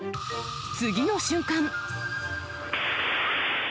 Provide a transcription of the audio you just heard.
次の瞬間。